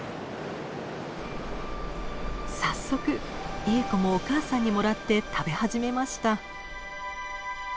早速エーコもお母さんにもらって食べ始めました。